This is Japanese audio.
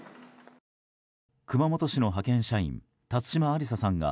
熊本市の派遣社員辰島ありささんが